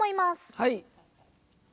はい。